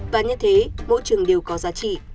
và như thế mỗi trường đều có giá trị